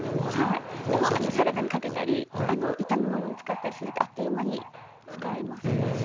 サラダにかけたり炒め物に使ったりするとあっという間に使いますよね。